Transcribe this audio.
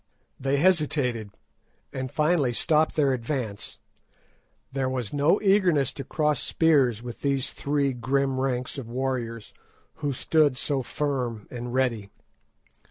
They hesitated, and finally stopped their advance; there was no eagerness to cross spears with these three grim ranks of warriors who stood so firm and ready.